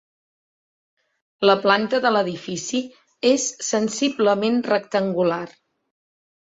La planta de l'edifici és sensiblement rectangular.